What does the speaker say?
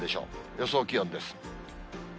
予想気温です。